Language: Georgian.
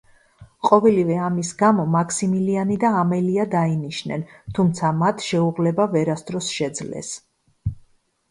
ყოველივე ამის გამო, მაქსიმილიანი და ამელია დაინიშნენ, თუმცა მათ შეუღლება ვერასდროს შეძლეს.